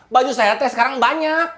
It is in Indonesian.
baju saya teh sekarang banyak